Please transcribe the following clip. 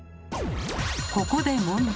ここで問題。